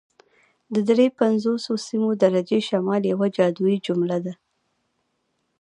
د دري پنځوسمې درجې شمال یوه جادويي جمله ده